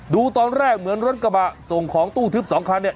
ดูตอนแรกเหมือนรถกระบะส่งของตู้ทึบสองคันเนี่ย